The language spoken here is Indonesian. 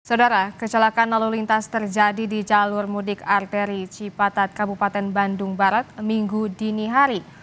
saudara kecelakaan lalu lintas terjadi di jalur mudik arteri cipatat kabupaten bandung barat minggu dini hari